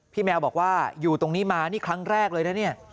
แมวบอกว่าอยู่ตรงนี้มานี่ครั้งแรกเลยนะเนี่ย